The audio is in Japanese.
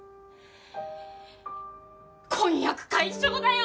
婚約解消だよ！